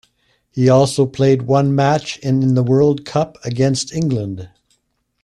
He also played one match in the World Cup against England.